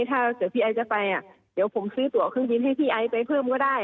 ถ้าเกิดพี่ไอซ์จะไปเดี๋ยวผมซื้อตัวเครื่องบินให้พี่ไอซ์ไปเพิ่มก็ได้